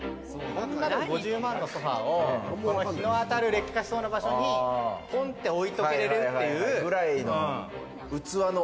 ５０万のソファをこの日の当たる劣化しそうな場所に、ポンって置いておけるっていうぐらいの。